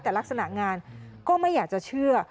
แต่ลักษณะงานก็ไม่อยากจะเชื่อ